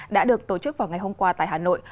đã được tổ chức vào ngày hôm qua tại hà nội